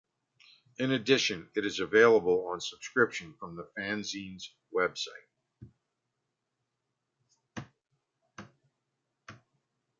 In addition, it is available on subscription from the fanzine's website.